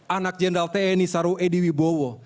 anak jendral tni saru edi wibowo